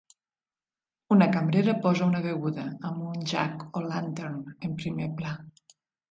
Una cambrera posa una beguda, amb un "jack-o'lantern" en primer pla.